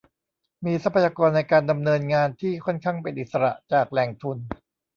มีทรัพยากรในการดำเนินงานที่ค่อนข้างเป็นอิสระจากแหล่งทุน